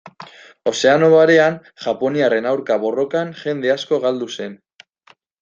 Ozeano Barean, japoniarren aurka borrokan, jende asko galdu zen.